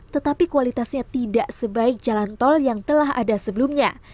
tetapi kualitasnya tidak sebaik jalan tol yang telah ada sebelumnya